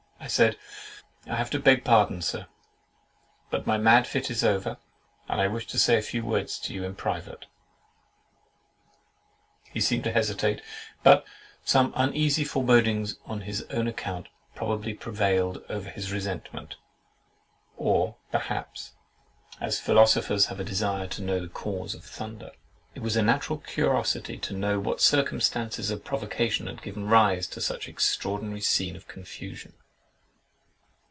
I said, "I have to beg pardon, Sir; but my mad fit is over, and I wish to say a few words to you in private." He seemed to hesitate, but some uneasy forebodings on his own account, probably, prevailed over his resentment; or, perhaps (as philosophers have a desire to know the cause of thunder) it was a natural curiosity to know what circumstances of provocation had given rise to such an extraordinary scene of confusion.